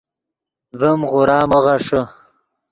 ڤیم غورا مو غیݰے